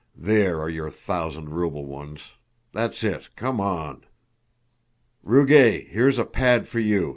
"There are your thousand ruble ones.... That's it, come on!..." "Rugáy, here's a pad for you!"